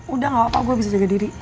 udah gak apa apa gue bisa jaga diri